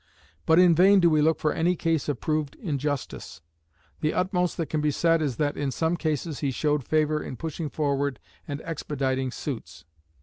But in vain do we look for any case of proved injustice. The utmost that can be said is that in some cases he showed favour in pushing forward and expediting suits.